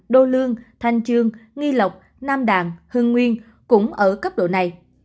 đô lương thanh trương nghi lộc nam đàn hưng nguyên cũng ở cấp độ này